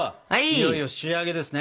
いよいよ仕上げですね。